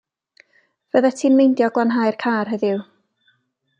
Fyddet ti'n meindio glanhau'r car heddiw?